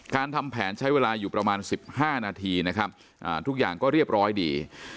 ทำแผนใช้เวลาอยู่ประมาณ๑๕นาทีนะครับทุกอย่างก็เรียบร้อยดี